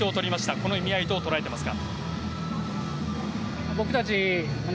この意味合いどう捉えていますか。